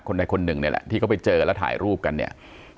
ใดคนหนึ่งเนี่ยแหละที่เขาไปเจอแล้วถ่ายรูปกันเนี่ย